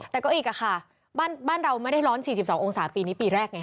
แต่ก็อีกค่ะบ้านเราไม่ได้ร้อน๔๒องศาปีนี้ปีแรกไง